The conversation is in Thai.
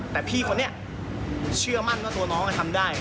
แต่พี่คนนี้เชื่อมั่นว่าตัวน้องทำได้